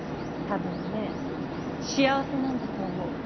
多分ね幸せなんだと思う。